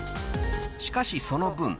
［しかしその分］